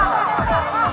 pak pak pak pak